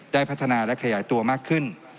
พัฒนาและขยายตัวมากขึ้น